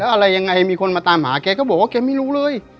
อะไรยังไงมีคนมาตามหาแกก็บอกว่าแกไม่รู้เลย